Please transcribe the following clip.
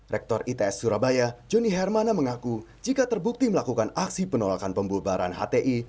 rektor its surabaya joni hermana mengaku jika terbukti melakukan aksi penolakan pembubaran hti